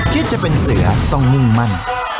คิดจะเป็นเสือต้องมุ่งมั่น